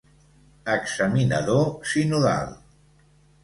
Examinador sinodal.